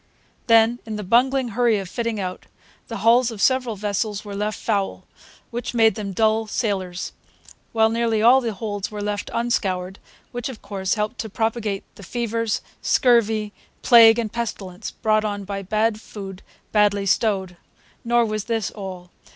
Then, in the bungling hurry of fitting out, the hulls of several vessels were left foul, which made them dull sailers; while nearly all the holds were left unscoured, which, of course, helped to propagate the fevers, scurvy, plague, and pestilence brought on by bad food badly stowed. Nor was this all.